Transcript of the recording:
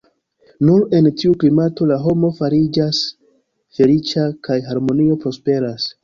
Nur en tiu klimato la homo fariĝas feliĉa kaj harmonie prosperas.